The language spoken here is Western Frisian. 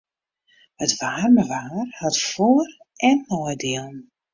It waarme waar hat foar- en neidielen.